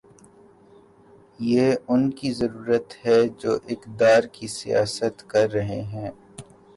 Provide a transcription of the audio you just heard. یہ ان کی ضرورت ہے جو اقتدار کی سیاست کر رہے ہیں۔